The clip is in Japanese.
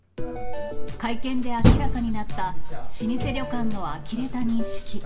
会見で明らかになった、老舗旅館のあきれた認識。